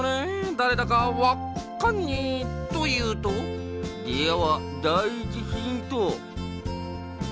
だれだかわっカンニー」というと「ではだい１ヒント」。